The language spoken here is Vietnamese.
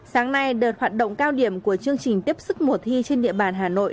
sáng nay đợt hoạt động cao điểm của chương trình tiếp sức mùa thi trên địa bàn hà nội